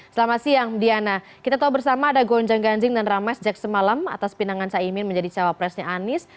selamat siang diana kita tahu bersama ada gonjang ganjing dan rames jack semalam atas pinangan caimin menjadi cawapresnya anies